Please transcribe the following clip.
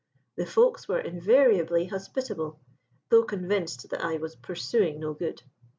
The folks were invariably hospitable, though convinced that I was pursuing no good.